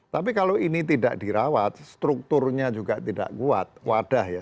tapi kalau ini tidak dirawat strukturnya juga tidak kuat wadah ya